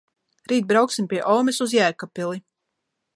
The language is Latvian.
rīt brauksim pie omes uz Jēkabpili